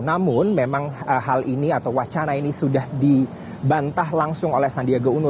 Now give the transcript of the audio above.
namun memang hal ini atau wacana ini sudah dibantah langsung oleh sandiaga uno